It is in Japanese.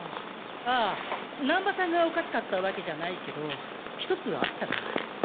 ああ難波さんがおかしかったわけじゃないけどひとつあったな。